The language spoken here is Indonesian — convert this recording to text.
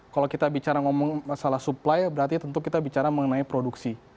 kalau kita bicara ngomong masalah supply berarti tentu kita bicara mengenai produksi